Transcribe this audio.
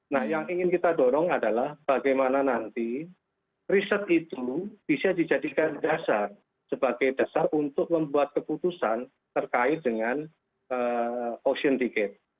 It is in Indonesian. nah yang ingin kita dorong adalah bagaimana nanti riset itu bisa dijadikan dasar sebagai dasar untuk membuat keputusan terkait dengan ocean tiket